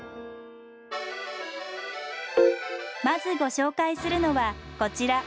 まずご紹介するのはこちら。